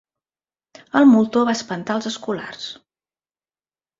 El moltó va espantar els escolars.